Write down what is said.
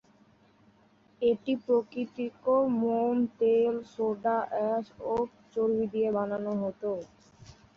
এটি প্রাকৃতিক মোম, তেল, সোডা অ্যাশ ও চর্বি দিয়ে বানানো হতো।